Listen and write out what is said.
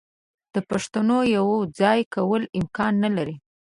د پښتونو یو ځای کول امکان نه لري.